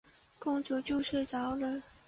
公主就睡着了。